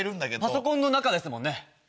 パソコンの中ですもんね？